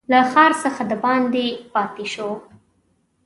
له ښار څخه دباندي پاته شو.